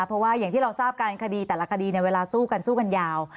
เพราะว่าอย่างที่เราทราบกันคดีแต่ละคดีเวลาสู้กันสู้กันยาว